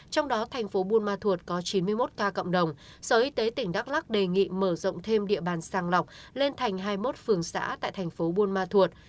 trong đó thành phố buôn ma thuột có chín mươi một ca cộng đồng sở y tế tỉnh đắk lắc đề nghị mở rộng thêm địa bàn sàng lọc lên thành hai mươi một phường xã tại thành phố buôn ma thuột